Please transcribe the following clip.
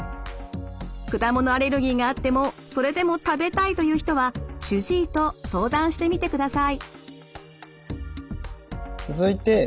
果物アレルギーがあってもそれでも食べたいという人は主治医と相談してみてください。